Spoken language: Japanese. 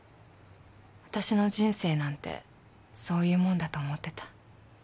私の人生なんてそういうもんだと思ってた。